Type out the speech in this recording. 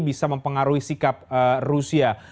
bisa mempengaruhi sikap rusia